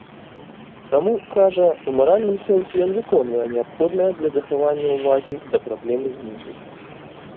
Таму, кажа, у маральным сэнсе ён выконвае неабходнае для захавання ўвагі да праблемы зніклых.